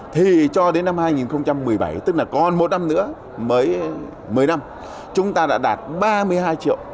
thì cho đến năm hai nghìn một mươi bảy tức là còn một năm nữa mới một mươi năm chúng ta đã đạt ba mươi hai triệu